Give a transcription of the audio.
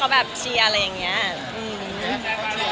ก็เลยเอาข้าวเหนียวมะม่วงมาปากเทียน